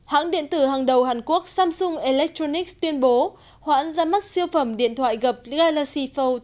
hãng điện tử hàng đầu hàn quốc samsung electronics tuyên bố hoãn ra mắt siêu phẩm điện thoại gập galaxy four